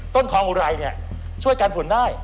ทองอุไรเนี่ยช่วยกันฝุ่นได้